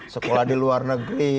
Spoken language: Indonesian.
sekolah di luar negeri